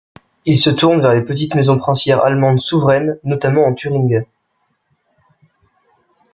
Ils se tournent vers les petites maisons princières allemandes souveraines notamment en Thuringe.